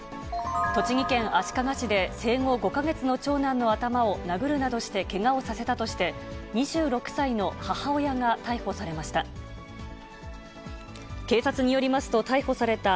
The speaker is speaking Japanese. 栃木県足利市で生後５か月の長男の頭を殴るなどしてけがをさせたとして、２６歳の母親が逮捕されました。